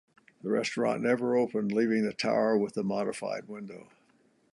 The restaurant never opened, leaving the tower with the modified window.